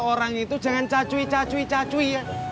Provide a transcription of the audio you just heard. orang itu jangan cacui cacui cacui